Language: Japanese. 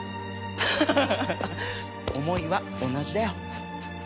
ハハハ思いは同じだよ。